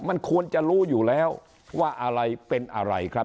มันควรจะรู้อยู่แล้วว่าอะไรเป็นอะไรครับ